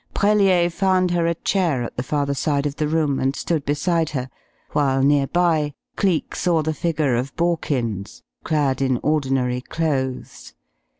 Brellier found her a chair at the farther side of the room, and stood beside her, while near by Cleek saw the figure of Borkins, clad in ordinary clothes.